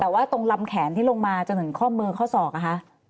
แต่ว่าตรงลำแขนที่ลงมาจนถึงข้อมือข้อศอกอะคะ